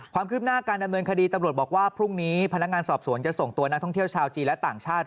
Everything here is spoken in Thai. ความคืบหน้าการดำเนินคดีตำรวจบอกว่าพรุ่งนี้พนักงานสอบสวนจะส่งตัวนักท่องเที่ยวชาวจีนและต่างชาติ